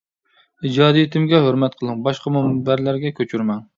ئىجادىيىتىمگە ھۆرمەت قىلىڭ، باشقا مۇنبەرلەرگە كۆچۈرمەڭ.